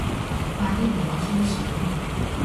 快啲同我吹水